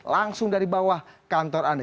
langsung dari bawah kantor anda